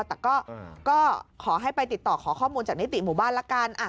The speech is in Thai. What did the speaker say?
แต่ก็ขอให้ไปติดต่อขอข้อมูลจากนิติหมู่บ้านละกัน